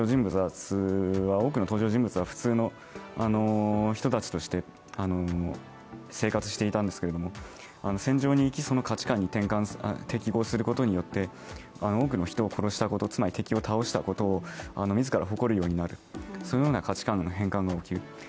多くの登場人物は普通の人たちとして、生活していたんですけれども戦場に行き、その価値観に適合することによって多くの人を殺したこと、つまり敵を倒したことを自ら誇るようになる、そのような価値観の変換が起こる。